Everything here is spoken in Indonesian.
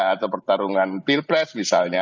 atau pertarungan pilpres misalnya